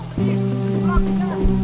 jangan jalan pak